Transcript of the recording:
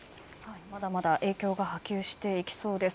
まだまだ影響が波及していきそうです。